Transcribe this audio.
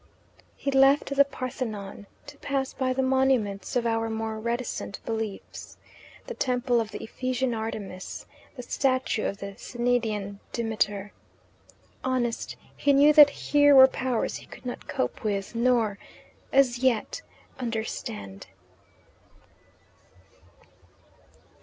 He left the Parthenon to pass by the monuments of our more reticent beliefs the temple of the Ephesian Artemis, the statue of the Cnidian Demeter. Honest, he knew that here were powers he could not cope with, nor, as yet, understand.